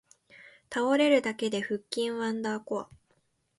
倒れるだけで腹筋ワンダーコア